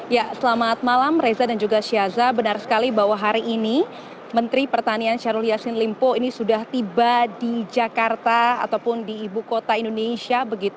ya selamat malam reza dan juga syaza benar sekali bahwa hari ini menteri pertanian syahrul yassin limpo ini sudah tiba di jakarta ataupun di ibu kota indonesia